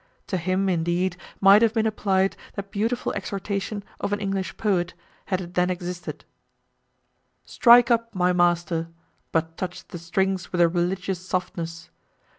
To him, indeed, might have been applied that beautiful exhortation of an English poet, had it then existed: Strike up, my master, But touch the strings with a religious softness!